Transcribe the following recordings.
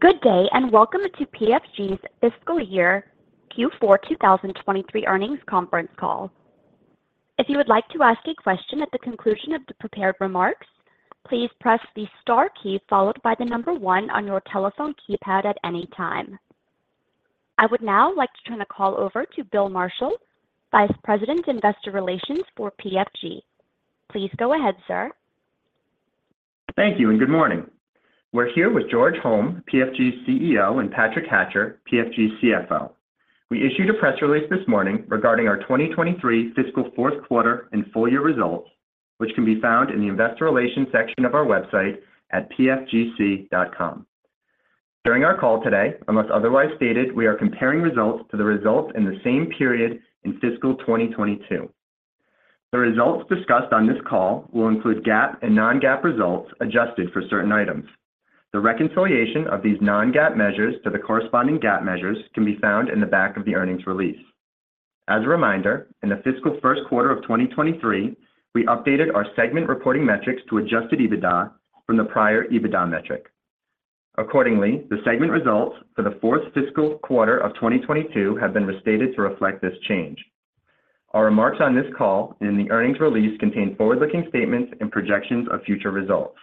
Good day, and welcome to PFG's Fiscal Year Q4 2023 Earnings Conference Call. If you would like to ask a question at the conclusion of the prepared remarks, please press the star key followed by the 1 on your telephone keypad at any time. I would now like to turn the call over to Bill Marshall, Vice President, Investor Relations for PFG. Please go ahead, sir. Thank you, and good morning. We're here with George Holm, PFG's CEO, and Patrick Hatcher, PFG's CFO. We issued a press release this morning regarding our 2023 fiscal fourth quarter and full-year results, which can be found in the Investor Relations section of our website at pfgc.com. During our call today, unless otherwise stated, we are comparing results to the results in the same period in fiscal 2022. The results discussed on this call will include GAAP and non-GAAP results, adjusted for certain items. The reconciliation of these non-GAAP measures to the corresponding GAAP measures can be found in the back of the earnings release. As a reminder, in the fiscal first quarter of 2023, we updated our segment reporting metrics to adjusted EBITDA from the prior EBITDA metric. Accordingly, the segment results for the fourth fiscal quarter of 2022 have been restated to reflect this change. Our remarks on this call in the earnings release contain forward-looking statements and projections of future results.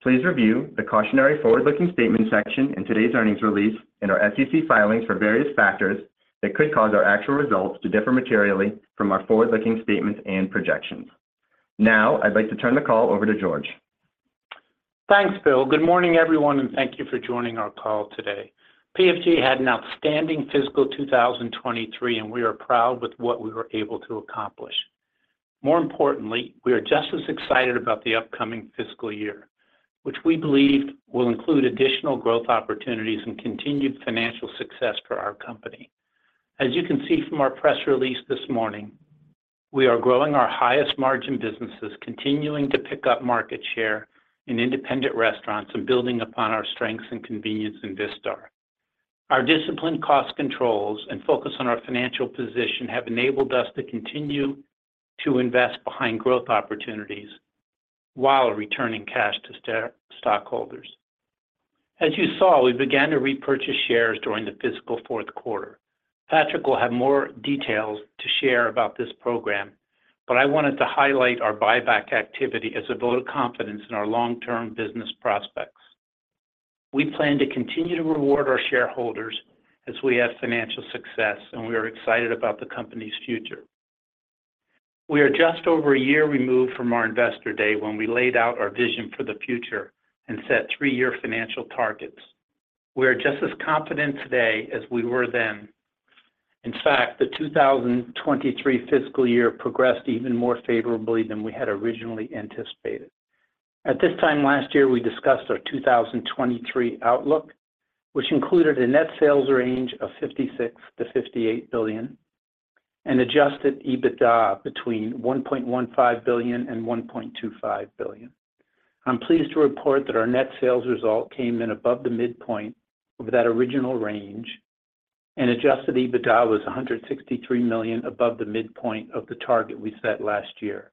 Please review the cautionary forward-looking statement section in today's earnings release and our SEC filings for various factors that could cause our actual results to differ materially from our forward-looking statements and projections. I'd like to turn the call over to George. Thanks, Bill. Good morning, everyone, thank you for joining our call today. PFG had an outstanding fiscal 2023, and we are proud with what we were able to accomplish. More importantly, we are just as excited about the upcoming fiscal year, which we believe will include additional growth opportunities and continued financial success for our company. As you can see from our press release this morning, we are growing our highest margin businesses, continuing to pick up market share in independent restaurants and building upon our strengths and convenience in Vistar. Our disciplined cost controls and focus on our financial position have enabled us to continue to invest behind growth opportunities while returning cash to stockholders. As you saw, we began to repurchase shares during the fiscal fourth quarter. Patrick will have more details to share about this program, but I wanted to highlight our buyback activity as a vote of confidence in our long-term business prospects. We plan to continue to reward our shareholders as we have financial success, and we are excited about the company's future. We are just over a year removed from our Investor Day when we laid out our vision for the future and set three-year financial targets. We are just as confident today as we were then. In fact, the 2023 fiscal year progressed even more favorably than we had originally anticipated. At this time last year, we discussed our 2023 outlook, which included a net sales range of $56 billion-$58 billion and Adjusted EBITDA between $1.15 billion and $1.25 billion. I'm pleased to report that our net sales result came in above the midpoint of that original range. Adjusted EBITDA was $163 million above the midpoint of the target we set last year.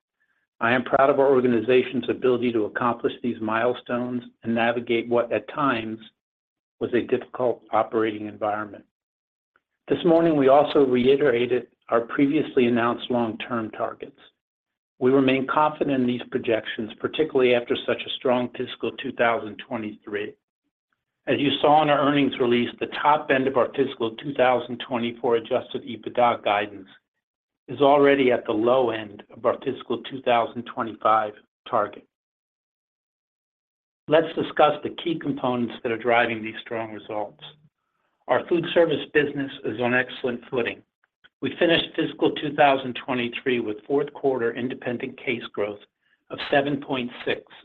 I am proud of our organization's ability to accomplish these milestones and navigate what at times was a difficult operating environment. This morning, we also reiterated our previously announced long-term targets. We remain confident in these projections, particularly after such a strong fiscal 2023. As you saw in our earnings release, the top end of our fiscal 2024 Adjusted EBITDA guidance is already at the low end of our fiscal 2025 target. Let's discuss the key components that are driving these strong results. our Foodservice business is on excellent footing. We finished fiscal 2023 with fourth quarter independent case growth of 7.6%,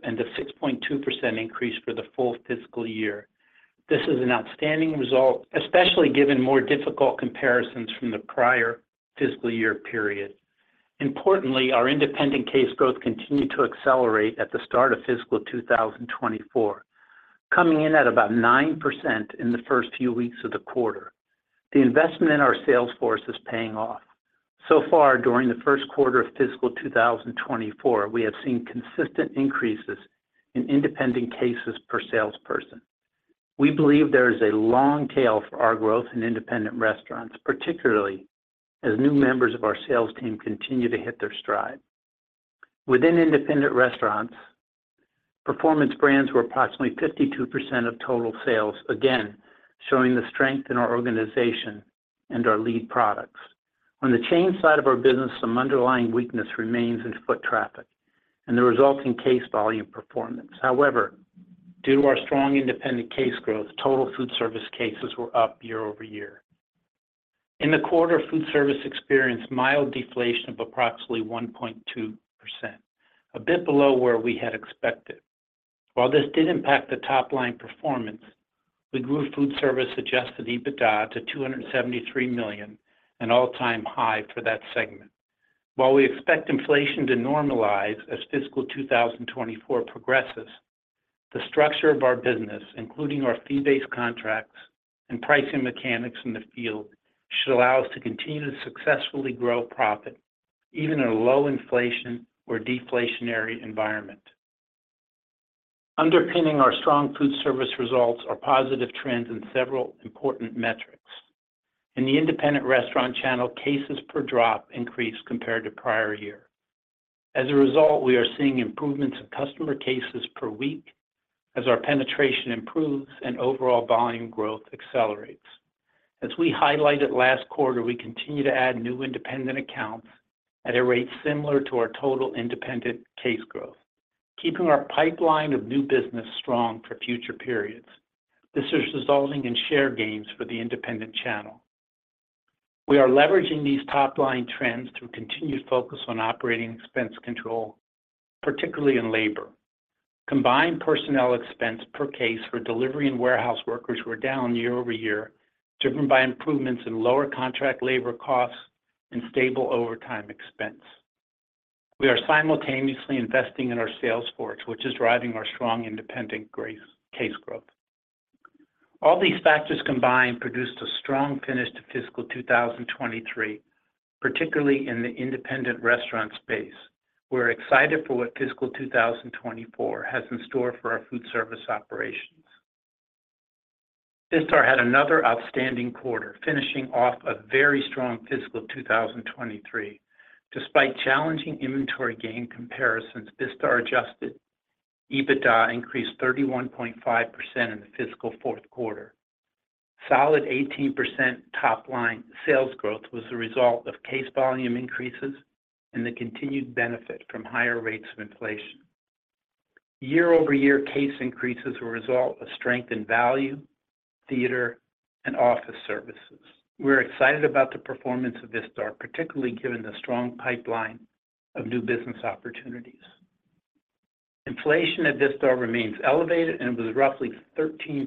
and a 6.2% increase for the full fiscal year. This is an outstanding result, especially given more difficult comparisons from the prior fiscal year period. Importantly, our independent case growth continued to accelerate at the start of fiscal 2024, coming in at about 9% in the first few weeks of the quarter. The investment in our sales force is paying off. So far, during the first quarter of fiscal 2024, we have seen consistent increases in independent cases per salesperson. We believe there is a long tail for our growth in independent restaurants, particularly as new members of our sales team continue to hit their stride. Within independent restaurants, Performance Brands were approximately 52% of total sales, again, showing the strength in our organization and our lead products. On the chain side of our business, some underlying weakness remains in foot traffic and the resulting case volume performance. However, due to our strong independent case growth, total foodservice cases were up year-over-year. In the quarter, foodservice experienced mild deflation of approximately 1.2%, a bit below where we had expected. While this did impact the top-line performance, we grew foodservice Adjusted EBITDA to $273 million, an all-time high for that segment. While we expect inflation to normalize as fiscal 2024 progresses, the structure of our business, including our fee-based contracts and pricing mechanics in the field, should allow us to continue to successfully grow profit.... even in a low inflation or deflationary environment. Underpinning our strong foodservice results are positive trends in several important metrics. In the independent restaurant channel, cases per drop increased compared to prior year. As a result, we are seeing improvements in customer cases per week as our penetration improves and overall volume growth accelerates. As we highlighted last quarter, we continue to add new independent accounts at a rate similar to our total independent case growth, keeping our pipeline of new business strong for future periods. This is resulting in share gains for the independent channel. We are leveraging these top-line trends through continued focus on operating expense control, particularly in labor. Combined personnel expense per case for delivery and warehouse workers were down year-over-year, driven by improvements in lower contract labor costs and stable overtime expense. We are simultaneously investing in our sales force, which is driving our strong independent case growth. All these factors combined produced a strong finish to fiscal 2023, particularly in the independent restaurant space. We're excited for what fiscal 2024 has in store for our foodservice operations. Vistar had another outstanding quarter, finishing off a very strong fiscal 2023. Despite challenging inventory gain comparisons, Vistar Adjusted EBITDA increased 31.5% in the fiscal fourth quarter. Solid 18% top-line sales growth was a result of case volume increases and the continued benefit from higher rates of inflation. Year-over-year case increases were a result of strength in value, theater, and office services. We're excited about the performance of Vistar, particularly given the strong pipeline of new business opportunities. Inflation at Vistar remains elevated and was roughly 13%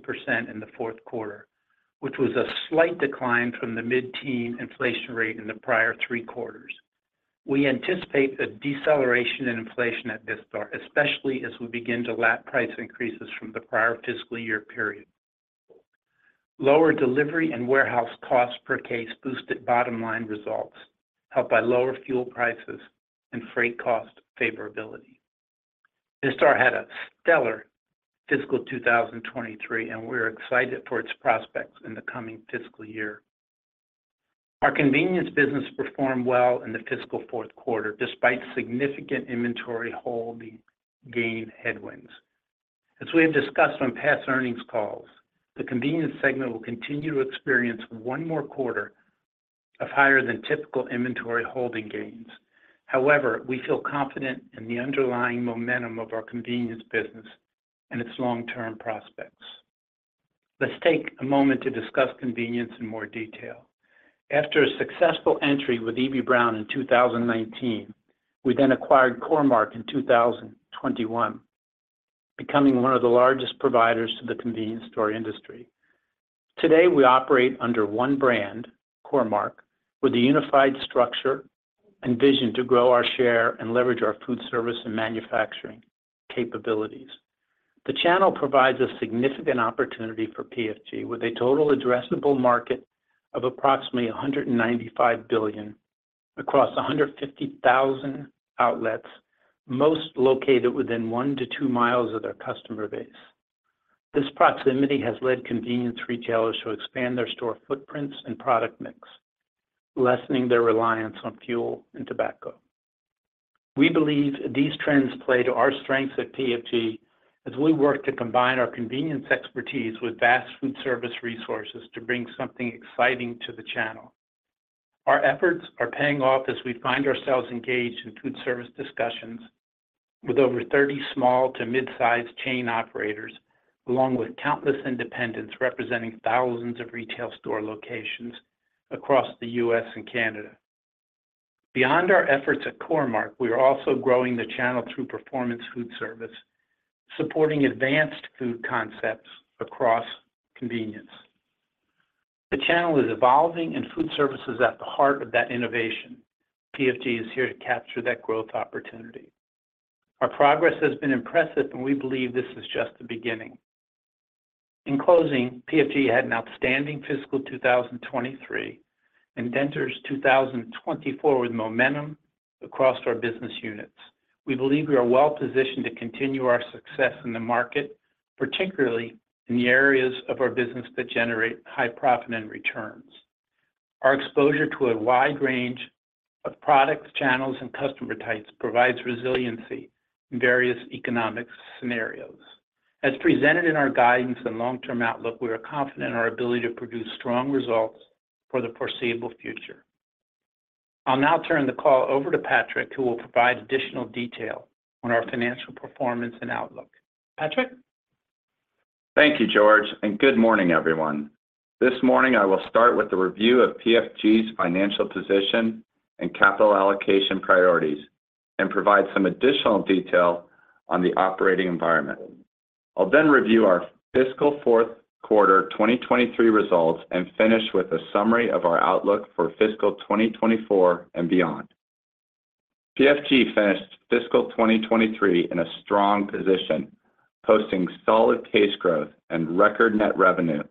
in the fourth quarter, which was a slight decline from the mid-teen inflation rate in the prior three quarters. We anticipate a deceleration in inflation at Vistar, especially as we begin to lap price increases from the prior fiscal year period. Lower delivery and warehouse costs per case boosted bottom-line results, helped by lower fuel prices and freight cost favorability. Vistar had a stellar fiscal 2023, and we're excited for its prospects in the coming fiscal year. Our convenience business performed well in the fiscal 4th quarter, despite significant inventory holding gain headwinds. As we have discussed on past earnings calls, the Convenience segment will continue to experience one more quarter of higher than typical inventory holding gains. We feel confident in the underlying momentum of our convenience business and its long-term prospects. Let's take a moment to discuss convenience in more detail. After a successful entry with Eby-Brown in 2019, we acquired Core-Mark in 2021, becoming one of the largest providers to the convenience store industry. Today, we operate under one brand, Core-Mark, with a unified structure and vision to grow our share and leverage our foodservice and manufacturing capabilities. The channel provides a significant opportunity for PFG, with a total addressable market of approximately $195 billion across 150,000 outlets, most located within 1 to 2 miles of their customer base. This proximity has led convenience retailers to expand their store footprints and product mix, lessening their reliance on fuel and tobacco. We believe these trends play to our strengths at PFG as we work to combine our convenience expertise with vast foodservice resources to bring something exciting to the channel. Our efforts are paying off as we find ourselves engaged in foodservice discussions with over 30 small to mid-sized chain operators, along with countless independents representing thousands of retail store locations across the U.S. and Canada. Beyond our efforts at Core-Mark, we are also growing the channel through Performance Foodservice, supporting advanced food concepts across Convenience. The channel is evolving, and foodservice is at the heart of that innovation. PFG is here to capture that growth opportunity. Our progress has been impressive, and we believe this is just the beginning. In closing, PFG had an outstanding fiscal 2023 and enters 2024 with momentum across our business units. We believe we are well positioned to continue our success in the market, particularly in the areas of our business that generate high profit and returns. Our exposure to a wide range of products, channels, and customer types provides resiliency in various economic scenarios. As presented in our guidance and long-term outlook, we are confident in our ability to produce strong results for the foreseeable future. I'll now turn the call over to Patrick, who will provide additional detail on our financial performance and outlook. Patrick? Thank you, George. Good morning, everyone. This morning, I will start with a review of PFG's financial position and capital allocation priorities and provide some additional detail on the operating environment. I'll review our fiscal fourth quarter 2023 results and finish with a summary of our outlook for fiscal 2024 and beyond. PFG finished fiscal 2023 in a strong position, posting solid case growth and record net revenue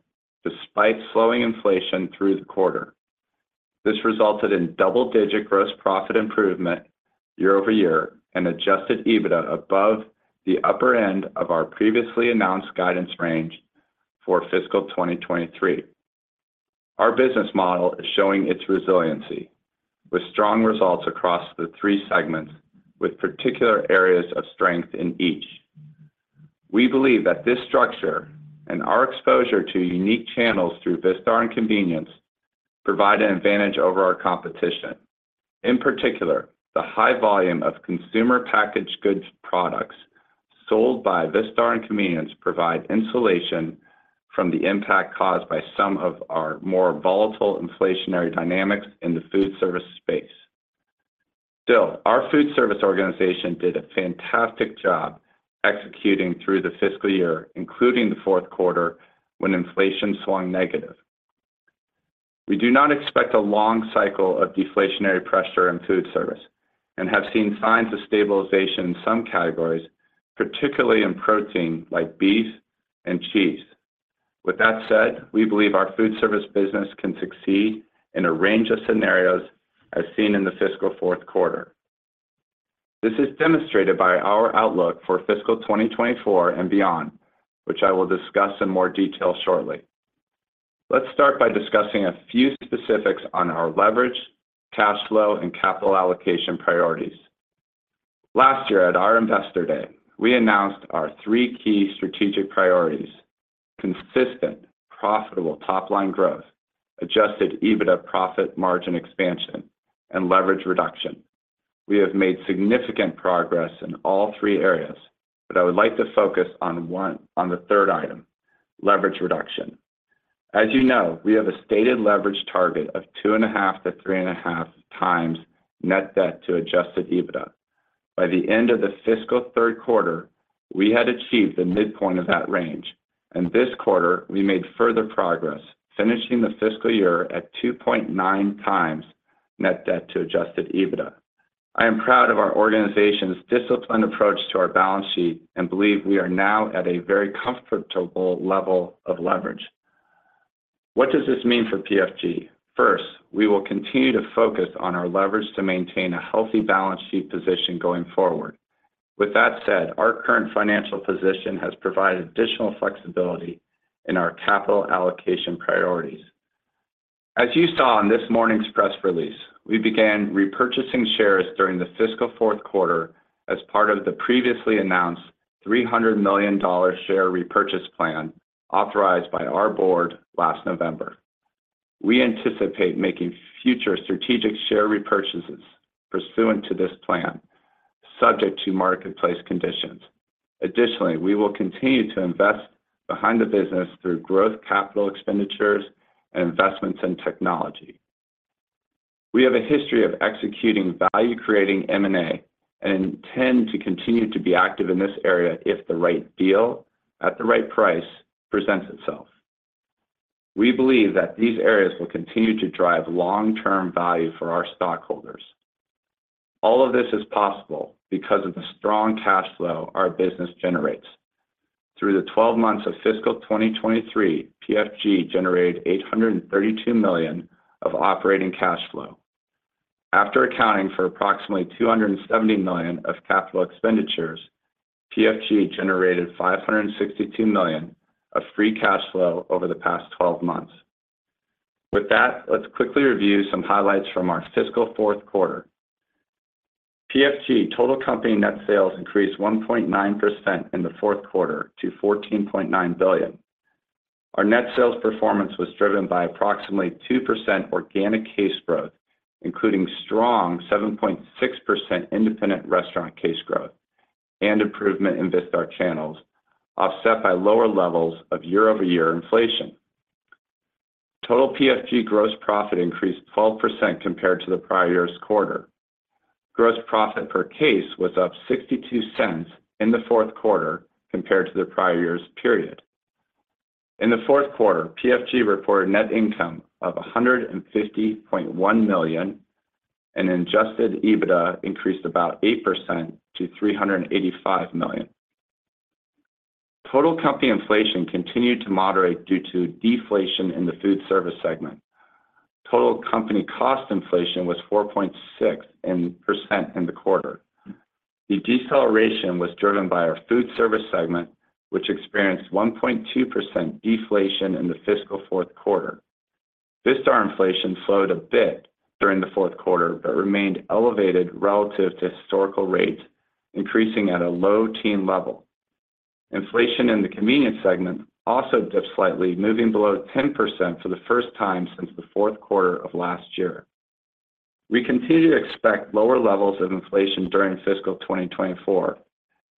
despite slowing inflation through the quarter. This resulted in double-digit gross profit improvement year-over-year, and Adjusted EBITDA above the upper end of our previously announced guidance range for fiscal 2023. Our business model is showing its resiliency, with strong results across the three segments, with particular areas of strength in each. We believe that this structure and our exposure to unique channels through Vistar and Convenience provide an advantage over our competition. In particular, the high volume of consumer packaged goods products sold by Vistar and Convenience provide insulation from the impact caused by some of our more volatile inflationary dynamics in the foodservice space. Still, our Foodservice organization did a fantastic job executing through the fiscal year, including the fourth quarter, when inflation swung negative. We do not expect a long cycle of deflationary pressure in foodservice and have seen signs of stabilization in some categories, particularly in protein like beef and cheese. With that said, we believe our Foodservice business can succeed in a range of scenarios, as seen in the fiscal fourth quarter. This is demonstrated by our outlook for fiscal 2024 and beyond, which I will discuss in more detail shortly. Let's start by discussing a few specifics on our leverage, cash flow, and capital allocation priorities. Last year at our Investor Day, we announced our three key strategic priorities: consistent, profitable top-line growth, Adjusted EBITDA profit, margin expansion, and leverage reduction. We have made significant progress in all three areas, but I would like to focus on the third item, leverage reduction. As you know, we have a stated leverage target of 2.5x-3.5x net debt to Adjusted EBITDA. By the end of the fiscal third quarter, we had achieved the midpoint of that range, and this quarter we made further progress, finishing the fiscal year at 2.9x net debt to Adjusted EBITDA. I am proud of our organization's disciplined approach to our balance sheet and believe we are now at a very comfortable level of leverage. What does this mean for PFG? First, we will continue to focus on our leverage to maintain a healthy balance sheet position going forward. With that said, our current financial position has provided additional flexibility in our capital allocation priorities. As you saw in this morning's press release, we began repurchasing shares during the fiscal fourth quarter as part of the previously announced $300 million share repurchase plan authorized by our board last November. We anticipate making future strategic share repurchases pursuant to this plan, subject to marketplace conditions. Additionally, we will continue to invest behind the business through growth, capital expenditures, and investments in technology. We have a history of executing value-creating M&A and intend to continue to be active in this area if the right deal at the right price presents itself. We believe that these areas will continue to drive long-term value for our stockholders. All of this is possible because of the strong cash flow our business generates. Through the 12 months of fiscal 2023, PFG generated $832 million of operating cash flow. After accounting for approximately $270 million of capital expenditures, PFG generated $562 million of free cash flow over the past 12 months. With that, let's quickly review some highlights from our fiscal fourth quarter. PFG total company net sales increased 1.9% in the fourth quarter to $14.9 billion. Our net sales performance was driven by approximately 2% organic case growth, including strong 7.6% independent restaurant case growth and improvement in Vistar channels, offset by lower levels of year-over-year inflation. Total PFG gross profit increased 12% compared to the prior year's quarter. Gross profit per case was up $0.62 in the fourth quarter compared to the prior year's period. In the fourth quarter, PFG reported net income of $150.1 million, and Adjusted EBITDA increased about 8% to $385 million. Total company inflation continued to moderate due to deflation in the foodservice segment. Total company cost inflation was 4.6% in the quarter. The deceleration was driven by our Foodservice segment, which experienced 1.2% deflation in the fiscal fourth quarter. Vistar inflation slowed a bit during the fourth quarter, but remained elevated relative to historical rates, increasing at a low-teen level. Inflation in the Convenience segment also dipped slightly, moving below 10% for the first time since the fourth quarter of last year. We continue to expect lower levels of inflation during fiscal 2024,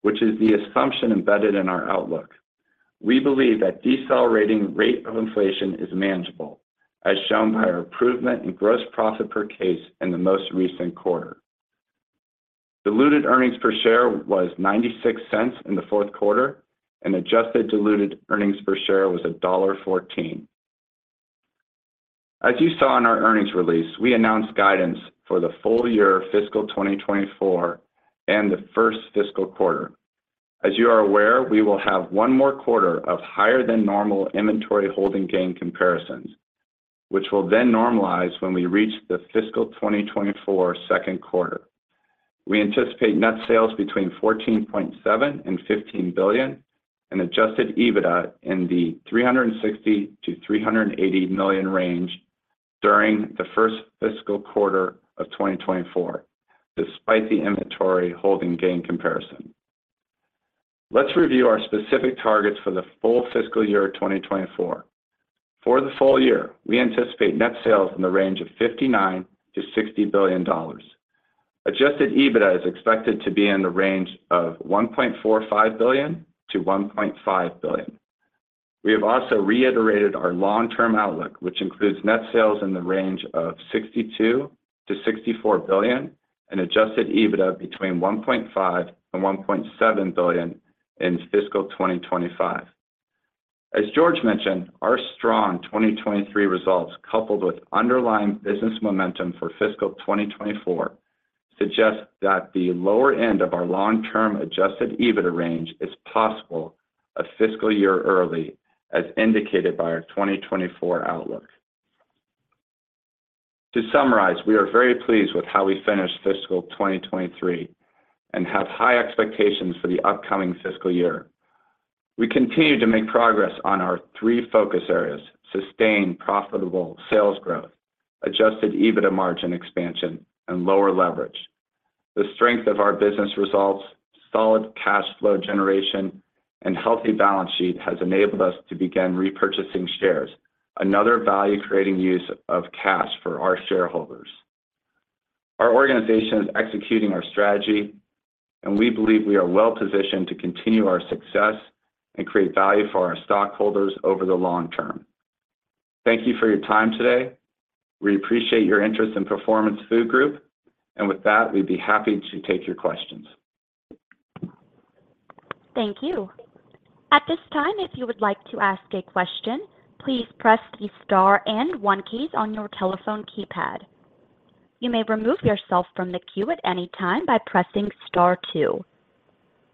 which is the assumption embedded in our outlook. We believe that decelerating rate of inflation is manageable, as shown by our improvement in gross profit per case in the most recent quarter. Diluted earnings per share was $0.96 in the fourth quarter, and adjusted diluted earnings per share was $1.14. As you saw in our earnings release, we announced guidance for the full year fiscal 2024 and the first fiscal quarter. As you are aware, we will have one more quarter of higher than normal inventory holding gain comparisons, which will then normalize when we reach the fiscal 2024 second quarter. We anticipate net sales between $14.7 billion and $15 billion, and Adjusted EBITDA in the $360 million-$380 million range during the first fiscal quarter of 2024, despite the inventory holding gain comparison. Let's review our specific targets for the full fiscal year of 2024. For the full year, we anticipate net sales in the range of $59 billion-$60 billion. Adjusted EBITDA is expected to be in the range of $1.45 billion-$1.5 billion. We have also reiterated our long-term outlook, which includes net sales in the range of $62 billion-$64 billion and Adjusted EBITDA between $1.5 billion and $1.7 billion in fiscal 2025. As George mentioned, our strong 2023 results, coupled with underlying business momentum for fiscal 2024, suggest that the lower end of our long-term Adjusted EBITDA range is possible a fiscal year early, as indicated by our 2024 outlook. To summarize, we are very pleased with how we finished fiscal 2023 and have high expectations for the upcoming fiscal year. We continue to make progress on our three focus areas: sustained profitable sales growth, Adjusted EBITDA margin expansion, and lower leverage. The strength of our business results, solid cash flow generation, and healthy balance sheet has enabled us to begin repurchasing shares, another value-creating use of cash for our shareholders. Our organization is executing our strategy, and we believe we are well positioned to continue our success and create value for our stockholders over the long term. Thank you for your time today. We appreciate your interest in Performance Food Group, and with that, we'd be happy to take your questions. Thank you. At this time, if you would like to ask a question, please press the Star and One keys on your telephone keypad. You may remove yourself from the queue at any time by pressing Star Two.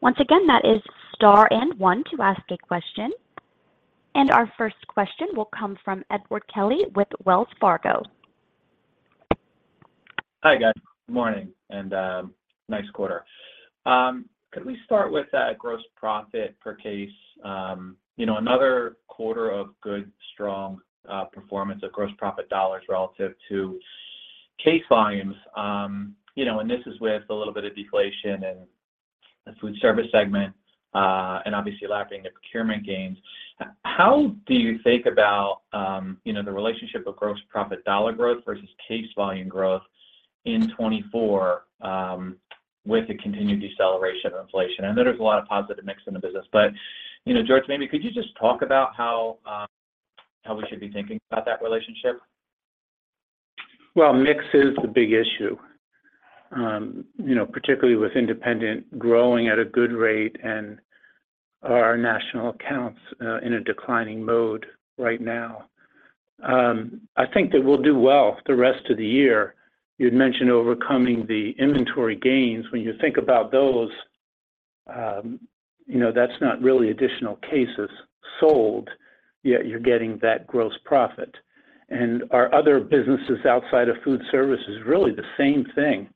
Once again, that is Star and One to ask a question. Our first question will come from Edward Kelly with Wells Fargo. Hi, guys. Good morning, and nice quarter. Could we start with that gross profit per case? You know, another quarter of good, strong performance of gross profit dollars relative to case volumes. You know, and this is with a little bit of deflation in the foodservice segment, and obviously, lapping the procurement gains. How do you think about, you know, the relationship of gross profit dollar growth versus case volume growth in 2024, with the continued deceleration of inflation? I know there's a lot of positive mix in the business, but, you know, George, maybe could you just talk about how, how we should be thinking about that relationship? Well, mix is the big issue. you know, particularly with independent growing at a good rate and our national accounts in a declining mode right now. I think that we'll do well the rest of the year. You'd mentioned overcoming the inventory gains. When you think about those, you know, that's not really additional cases sold, yet you're getting that gross profit. Our other businesses outside of foodservice is really the same thing.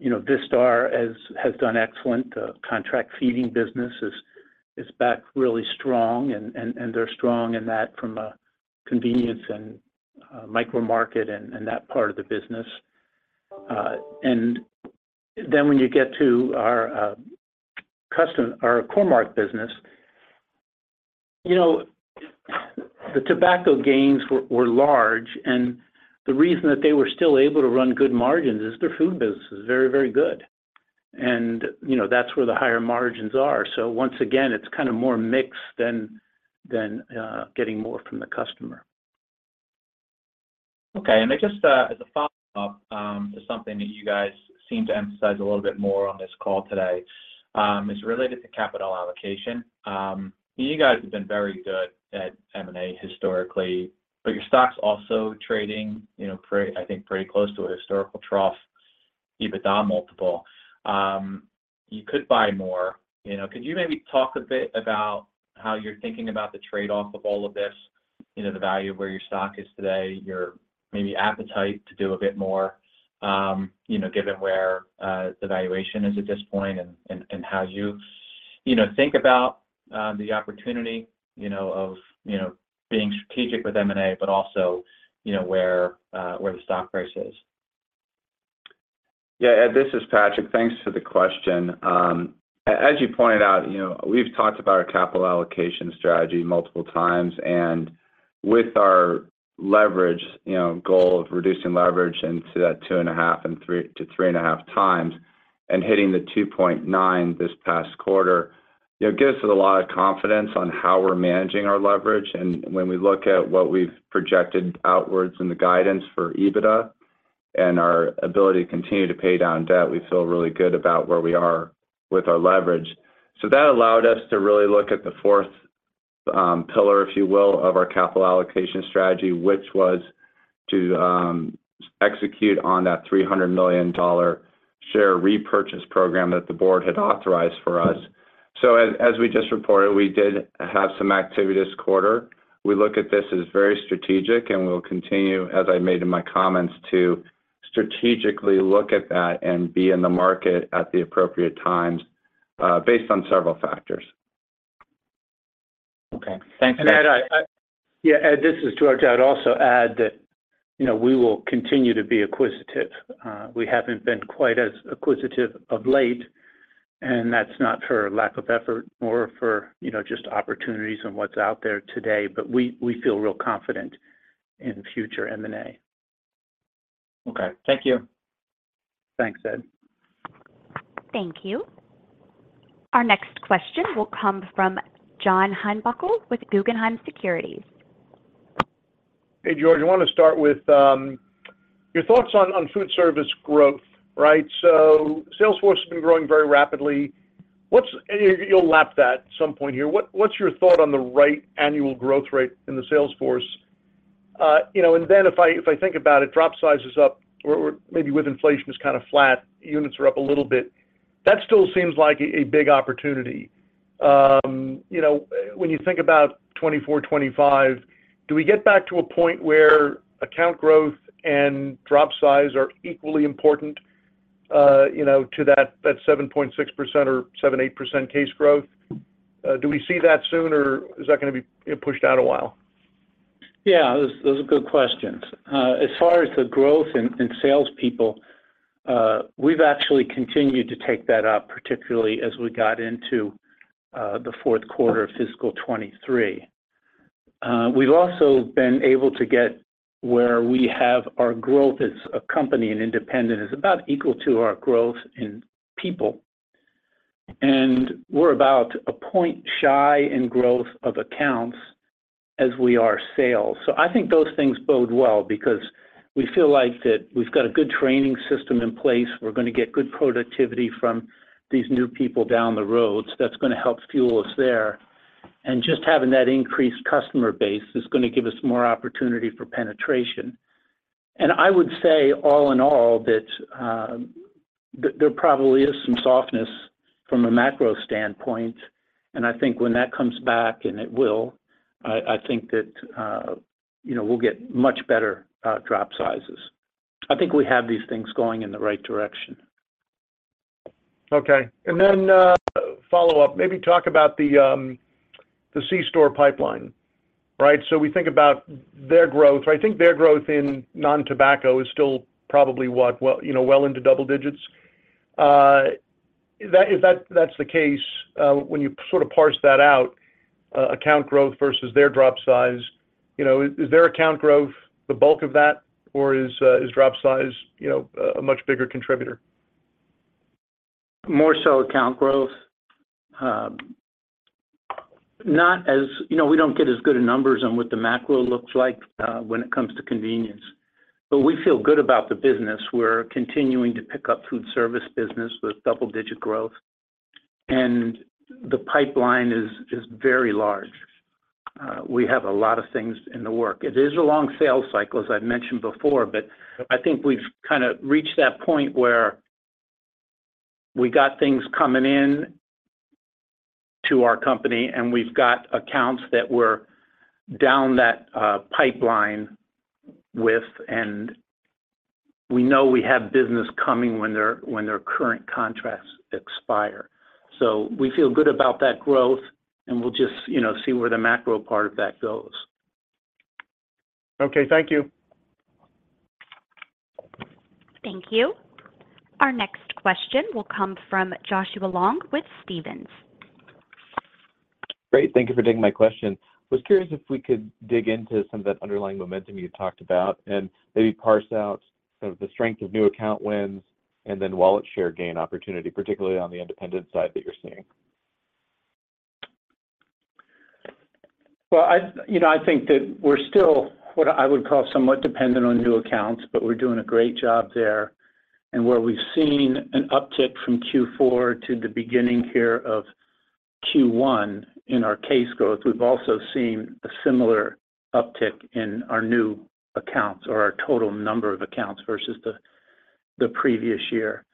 you know, Vistar has, has done excellent. The contract feeding business is, is back really strong, and, and, and they're strong in that from a Convenience and micro market and that part of the business. Then when you get to our Core-Mark business, you know, the tobacco gains were large, and the reason that they were still able to run good margins is their food business is very, very good. You know, that's where the higher margins are. Once again, it's kind of more mix than, than, getting more from the customer. Okay. Just as a follow-up to something that you guys seem to emphasize a little bit more on this call today, is related to capital allocation. You guys have been very good at M&A historically, but your stock's also trading, you know, I think pretty close to a historical trough, EBITDA multiple. You could buy more, you know. Could you maybe talk a bit about how you're thinking about the trade-off of all of this? You know, the value of where your stock is today, your maybe appetite to do a bit more, you know, given where the valuation is at this point, and, and, and how you, you know, think about the opportunity, you know, of, you know, being strategic with M&A, but also, you know, where the stock price is? Yeah, Ed, this is Patrick. Thanks for the question. As you pointed out, you know, we've talked about our capital allocation strategy multiple times, and with our leverage, you know, goal of reducing leverage into that 2.5x and 3x-3.5x and hitting the 2.9x this past quarter, it gives us a lot of confidence on how we're managing our leverage. When we look at what we've projected outwards in the guidance for EBITDA and our ability to continue to pay down debt, we feel really good about where we are with our leverage. That allowed us to really look at the fourth pillar, if you will, of our capital allocation strategy, which was to execute on that $300 million share repurchase program that the Board had authorized for us. As we just reported, we did have some activity this quarter. We look at this as very strategic, and we'll continue, as I made in my comments, to strategically look at that and be in the market at the appropriate times, based on several factors. Okay. Thanks, Ed. Ed, this is George. I'd also add that, you know, we will continue to be acquisitive. We haven't been quite as acquisitive of late, and that's not for lack of effort or for, you know, just opportunities and what's out there today, but we, we feel real confident in future M&A. Okay. Thank you. Thanks, Ed. Thank you. Our next question will come from John Heinbockel with Guggenheim Securities. Hey, George, I wanna start with your thoughts on, on foodservice growth, right? Sales force has been growing very rapidly. You, you'll lap that at some point here. What, what's your thought on the right annual growth rate in the sales force? You know, if I, if I think about it, drop size is up or, or maybe with inflation is kind of flat. Units are up a little bit. That still seems like a, a big opportunity. You know, when you think about 2024, 2025, do we get back to a point where account growth and drop size are equally important, you know, to that, that 7.6% or 7%-8% case growth? Do we see that soon, or is that gonna be, you know, pushed out a while? Yeah, those, those are good questions. As far as the growth in, in salespeople, we've actually continued to take that up, particularly as we got into the fourth quarter of fiscal 2023. We've also been able to get where we have our growth as a company and independent is about equal to our growth in people, and we're about 1 point shy in growth of accounts as we are sales. I think those things bode well because we feel like that we've got a good training system in place. We're gonna get good productivity from these new people down the road, so that's gonna help fuel us there. Just having that increased customer base is gonna give us more opportunity for penetration. I would say, all in all, that, that there probably is some softness from a macro standpoint, and I think when that comes back, and it will, I, I think that, you know, we'll get much better, drop sizes. I think we have these things going in the right direction. Okay. Follow-up, maybe talk about the C-store pipeline, right? We think about their growth. I think their growth in non-tobacco is still probably, what? Well, you know, well into double digits. If that's the case, when you sort of parse that out, account growth versus their drop size, you know, is their account growth the bulk of that, or is drop size, you know, a, a much bigger contributor? More so account growth. Not as... You know, we don't get as good a numbers on what the macro looks like, when it comes to Convenience, we feel good about the business. We're continuing to pick up foodservice business with double-digit growth, and the pipeline is, is very large. We have a lot of things in the work. It is a long sales cycle, as I've mentioned before. Yep I think we've kinda reached that point where we got things coming in to our company, and we've got accounts that we're down that pipeline with, and we know we have business coming when their, when their current contracts expire. We feel good about that growth, and we'll just, you know, see where the macro part of that goes. Okay. Thank you. Thank you. Our next question will come from Joshua Long with Stephens. Great. Thank you for taking my question. Was curious if we could dig into some of that underlying momentum you talked about, and maybe parse out sort of the strength of new account wins and then wallet share gain opportunity, particularly on the independent side that you're seeing? Well, I, you know, I think that we're still what I would call somewhat dependent on new accounts, but we're doing a great job there. Where we've seen an uptick from Q4 to the beginning here of Q1 in our case growth, we've also seen a similar uptick in our new accounts or our total number of accounts versus the, the previous year.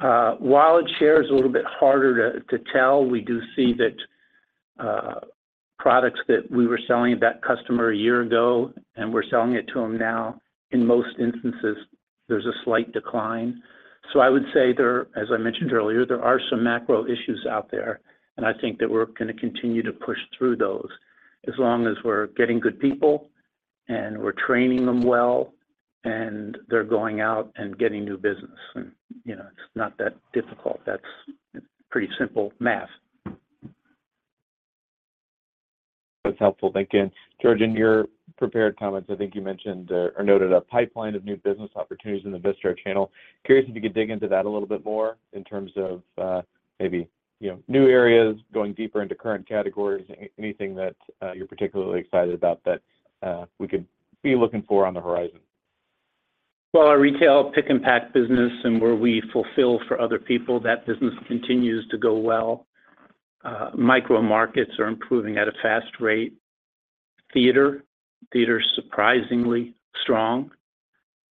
Wallet share is a little bit harder to, to tell. We do see that, products that we were selling to that customer a year ago, and we're selling it to them now, in most instances, there's a slight decline. I would say there, as I mentioned earlier, there are some macro issues out there, and I think that we're gonna continue to push through those as long as we're getting good people, and we're training them well, and they're going out and getting new business. You know, it's not that difficult. That's pretty simple math. That's helpful. Thank you. George, in your prepared comments, I think you mentioned, or noted a pipeline of new business opportunities in the Vistar channel. Curious if you could dig into that a little bit more in terms of, maybe, you know, new areas, going deeper into current categories, anything that, you're particularly excited about that, we could be looking for on the horizon? Well, our retail pick and pack business and where we fulfill for other people, that business continues to go well. Micro markets are improving at a fast rate. Theater, theater is surprisingly strong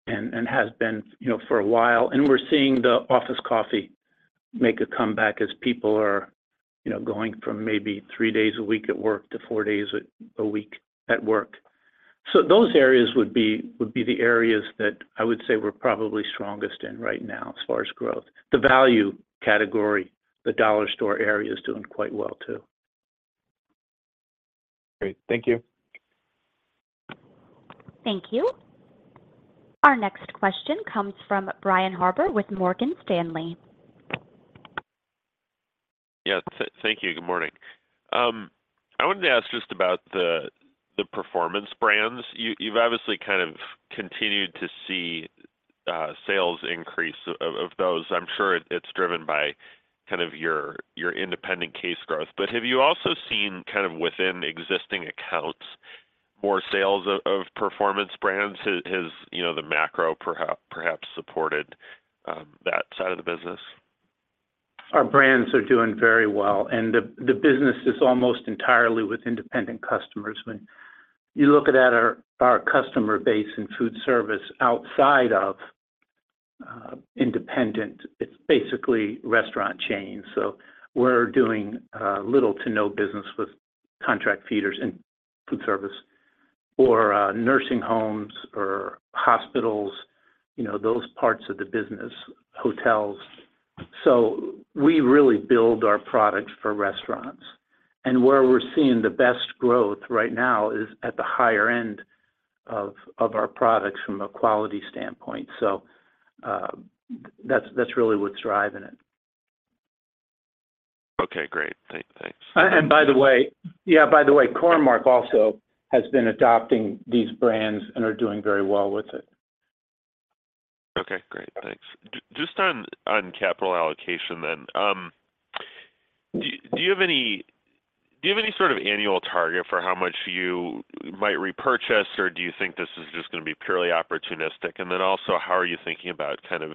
and, and has been, you know, for a while. We're seeing the office coffee make a comeback as people are, you know, going from maybe 3 days a week at work to 4 days a week at work. Those areas would be, would be the areas that I would say we're probably strongest in right now as far as growth. The value category, the dollar store area is doing quite well, too. Great. Thank you. Thank you. Our next question comes from Brian Harbour with Morgan Stanley. Yeah. Thank you. Good morning. I wanted to ask just about the Performance Brands. You, you've obviously kind of continued to see sales increase of, of those. I'm sure it, it's driven by kind of your, your independent case growth. Have you also seen kind of within existing accounts, more sales of, of Performance Brands? Has, you know, the macro perhaps, perhaps supported that side of the business? Our brands are doing very well, and the, the business is almost entirely with independent customers. When you look at our, our customer base in foodservice outside of independent, it's basically restaurant chains. We're doing little to no business with contract feeders in foodservice or nursing homes or hospitals, you know, those parts of the business, hotels. We really build our products for restaurants, and where we're seeing the best growth right now is at the higher end of our products from a quality standpoint. That's, that's really what's driving it. Okay, great. Thank- thanks. By the way... By the way, Core-Mark also has been adopting these brands and are doing very well with it. Okay, great. Thanks. Just on, on capital allocation then, do you have any sort of annual target for how much you might repurchase, or do you think this is just going to be purely opportunistic? Also, how are you thinking about kind of,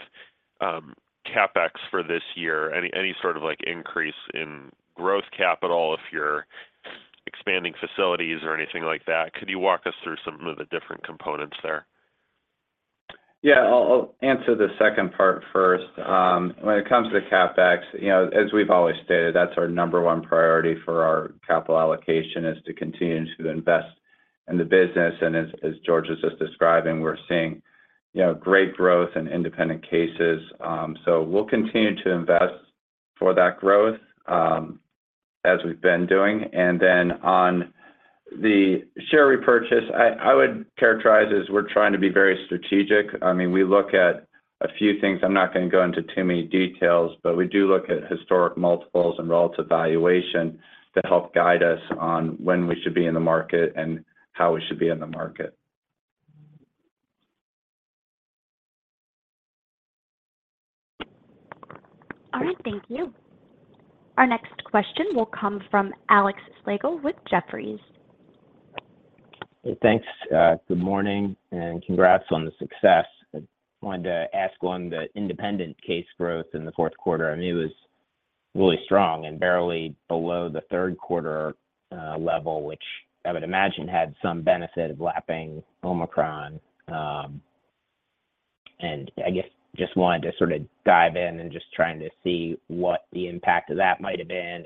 CapEx for this year? Any, any sort of, like, increase in growth capital if you're expanding facilities or anything like that? Could you walk us through some of the different components there? Yeah. I'll, I'll answer the second part first. When it comes to CapEx, you know, as we've always stated, that's our number one priority for our capital allocation, is to continue to invest in the business. As, as George has just described, we're seeing, you know, great growth in independent cases. We'll continue to invest for that growth as we've been doing. On the share repurchase, I, I would characterize as we're trying to be very strategic. I mean, we look at a few things. We do look at historic multiples and relative valuation to help guide us on when we should be in the market and how we should be in the market. All right. Thank you. Our next question will come from Alex Slagle with Jefferies. Hey, thanks. Good morning, and congrats on the success. I wanted to ask on the independent case growth in the fourth quarter. I mean, it was really strong and barely below the third quarter level, which I would imagine had some benefit of lapping Omicron. I guess, just wanted to sort of dive in and just trying to see what the impact of that might have been,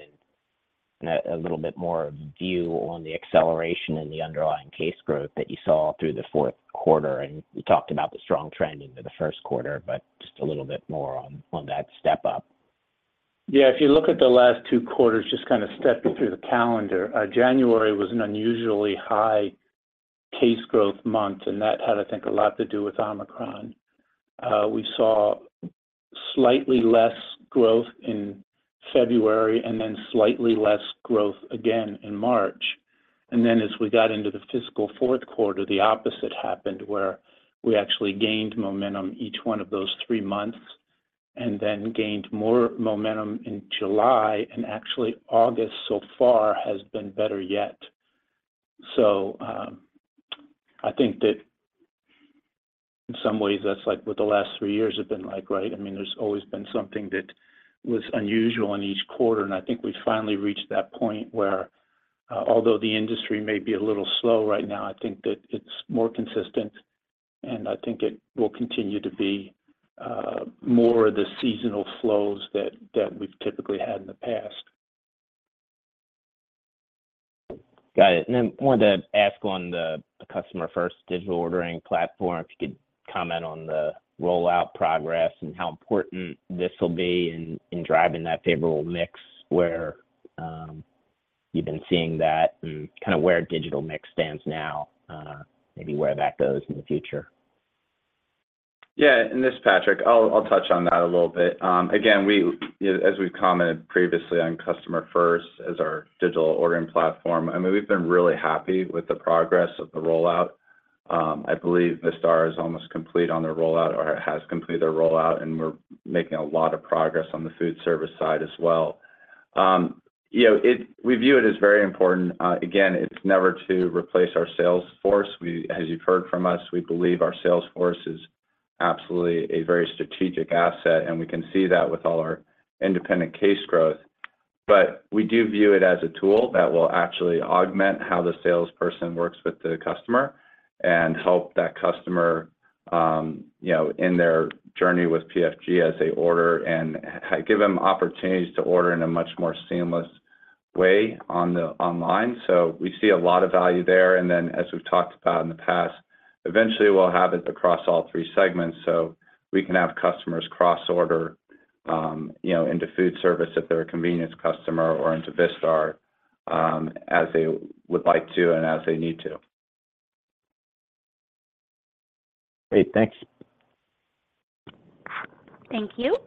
and a little bit more view on the acceleration in the underlying case growth that you saw through the fourth quarter. You talked about the strong trend into the first quarter, but just a little bit more on that step up. Yeah. If you look at the last two quarters, just kind of stepping through the calendar, January was an unusually high case growth month, and that had, I think, a lot to do with Omicron. We saw slightly less growth in February and then slightly less growth again in March. As we got into the fiscal fourth quarter, the opposite happened, where we actually gained momentum each one of those three months, and then gained more momentum in July, and actually, August so far has been better yet. I think that in some ways, that's like what the last three years have been like, right? I mean, there's always been something that was unusual in each quarter, and I think we've finally reached that point where, although the industry may be a little slow right now, I think that it's more consistent, and I think it will continue to be more of the seasonal flows that, that we've typically had in the past. Got it. Then I wanted to ask on the Customer First digital ordering platform, if you could comment on the rollout progress and how important this will be in, in driving that favorable mix, where you've been seeing that and kind of where digital mix stands now, maybe where that goes in the future? Yeah. This is Patrick. I'll, I'll touch on that a little bit. Again, we, as we've commented previously on Customer First as our digital ordering platform, I mean, we've been really happy with the progress of the rollout. I believe Vistar is almost complete on their rollout or has completed their rollout, and we're making a lot of progress on the foodservice side as well. You know, it, we view it as very important. Again, it's never to replace our sales force. We, as you've heard from us, we believe our sales force is absolutely a very strategic asset, and we can see that with all our independent case growth. We do view it as a tool that will actually augment how the salesperson works with the customer and help that customer, you know, in their journey with PFG as they order, and, give them opportunities to order in a much more seamless way on the online. We see a lot of value there, and then, as we've talked about in the past, eventually, we'll have it across all 3 segments, so we can have customers cross-order, you know, into foodservice if they're a Convenience customer, or into Vistar, as they would like to and as they need to. Great, thanks. Thank you.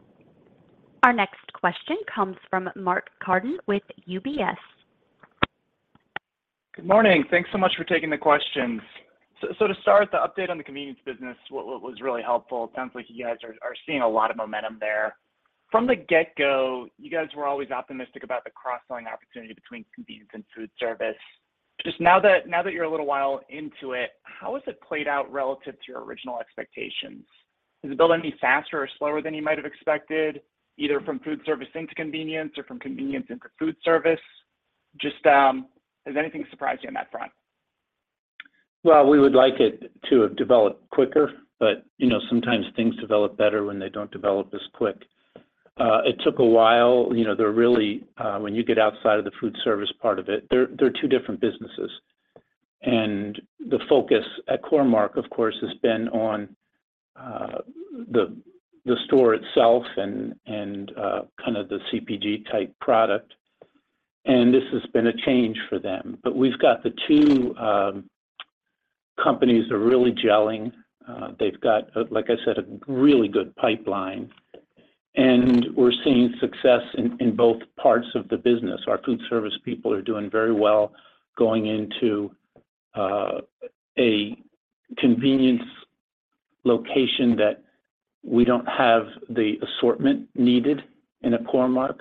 Our next question comes from Mark Carden with UBS. Good morning. Thanks so much for taking the questions. To start, the update on the Convenience business, what was really helpful, it sounds like you guys are seeing a lot of momentum there. From the get-go, you guys were always optimistic about the cross-selling opportunity between Convenience and foodservice. Just now that you're a little while into it, how has it played out relative to your original expectations? Is it building any faster or slower than you might have expected, either from foodservice into Convenience or from Convenience into foodservice? Just, has anything surprised you on that front? Well, we would like it to have developed quicker, but, you know, sometimes things develop better when they don't develop as quick. It took a while. You know, they're really, when you get outside of the foodservice part of it, they're, they're two different businesses. The focus at Core-Mark, of course, has been on, the, the store itself and, and, kind of the CPG-type product, and this has been a change for them. We've got the two, companies are really gelling. They've got, like I said, a really good pipeline, and we're seeing success in, in both parts of the business. our Foodservice people are doing very well going into, a convenience location that we don't have the assortment needed in a Core-Mark.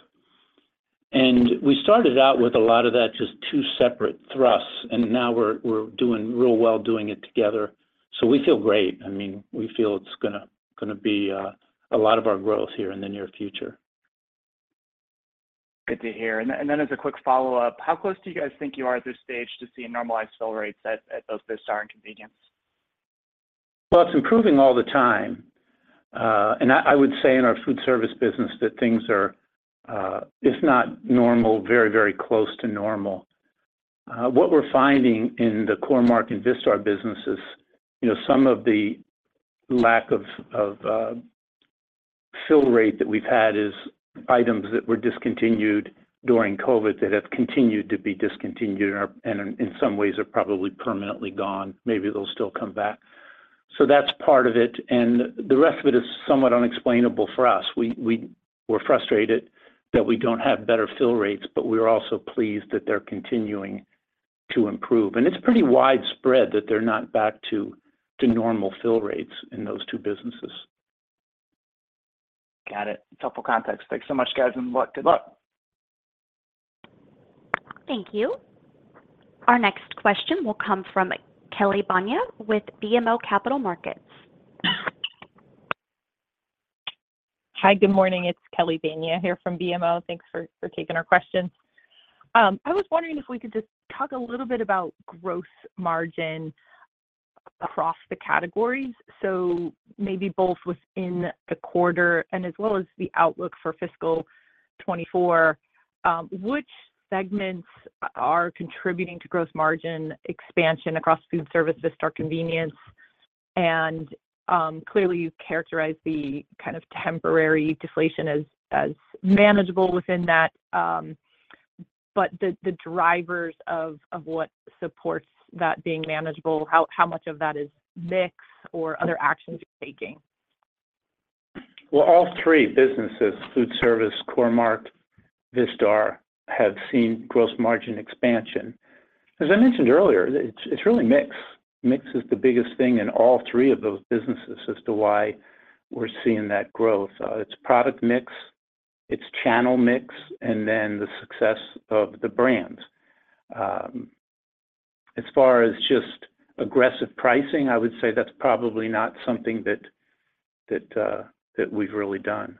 We started out with a lot of that, just two separate thrusts, and now we're, we're doing real well doing it together. We feel great. I mean, we feel it's gonna, gonna be a lot of our growth here in the near future. Good to hear. Then as a quick follow-up, how close do you guys think you are at this stage to seeing normalized fill rates at, at both Vistar and Convenience? Well, it's improving all the time. I, I would say in our Foodservice business, that things are, if not normal, very, very close to normal. What we're finding in the Core-Mark and Vistar businesses, you know, some of the lack of, of fill rate that we've had is items that were discontinued during COVID that have continued to be discontinued, and are, and in some ways are probably permanently gone. Maybe they'll still come back. That's part of it, and the rest of it is somewhat unexplainable for us. We, we're frustrated that we don't have better fill rates, but we're also pleased that they're continuing to improve. It's pretty widespread that they're not back to, to normal fill rates in those two businesses. Got it. Helpful context. Thanks so much, guys, and good luck today. Good luck. Thank you. Our next question will come from Kelly Bania with BMO Capital Markets. Hi, good morning. It's Kelly Bania here from BMO. Thanks for taking our questions. I was wondering if we could just talk a little bit about gross margin across the categories, so maybe both within the quarter and as well as the outlook for fiscal 2024. Which segments are contributing to gross margin expansion across foodservice, Vistar, Convenience? Clearly, you've characterized the kind of temporary deflation as manageable within that, but the drivers of what supports that being manageable, how much of that is mix or other actions you're taking? Well, all three businesses, Food Service, Core-Mark, Vistar, have seen gross margin expansion. As I mentioned earlier, it's really mix. Mix is the biggest thing in all three of those businesses as to why we're seeing that growth. It's product mix, it's channel mix, and then the success of the brands. As far as just aggressive pricing, I would say that's probably not something that we've really done.